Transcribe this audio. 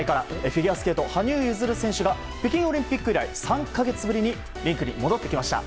フィギュアスケート羽生結弦選手が北京オリンピック以来３か月ぶりにリンクに戻ってきました。